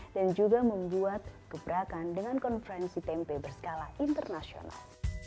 dan juga membuat keberakan dengan konferensi tempe berskala internasional